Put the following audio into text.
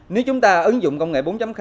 nếu chúng ta ứng dụng công nghệ bốn